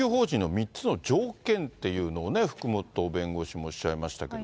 それから宗教法人の３つの条件っていうのをね、福本弁護士もおっしゃいましたけど。